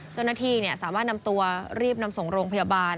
เจ้าหน้าที่สามารถนำตัวรีบนำส่งโรงพยาบาล